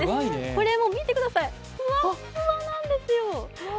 これ見てください、ふわっふわなんですよ。